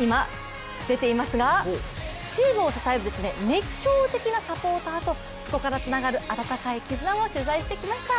今、出ていますがチームを支える熱狂的なサポーターとそこからつながる温かい絆を取材してきました。